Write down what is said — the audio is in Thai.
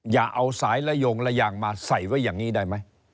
อย่าเอาสายระโยงระยางมาใส่ไว้อย่างนี้ได้ไหม